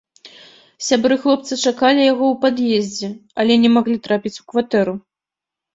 Сябры хлопца чакалі яго ў пад'ездзе, але не маглі трапіць у кватэру.